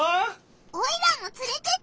オイラもつれてってよ！